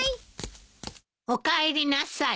おかえりなさい。